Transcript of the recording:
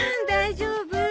大丈夫。